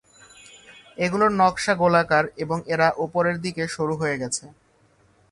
এগুলোর নকশা গোলাকার এবং এরা উপরের দিকে সরু হয়ে গেছে।